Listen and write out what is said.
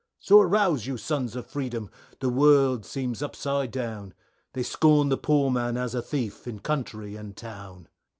CHORUS. So arouse you sons of Freedom the world seems upside down, They scorn the poor man as a thief in country and town.